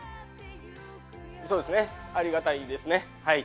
そうですねありがたいですねはい。